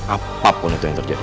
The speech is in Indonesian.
apapun itu yang terjadi